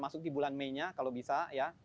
masuk di bulan may nya kalau bisa ya